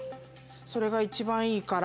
それが一番いいから。